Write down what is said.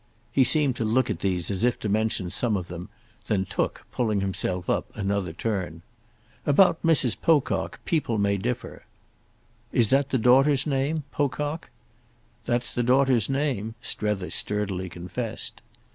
He seemed to look at these as if to mention some of them; then took, pulling himself up, another turn. "About Mrs. Pocock people may differ." "Is that the daughter's name—'Pocock'?" "That's the daughter's name," Strether sturdily confessed.